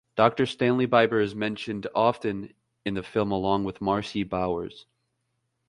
Doctor Stanley Biber is mentioned often in the film along with Marci Bowers.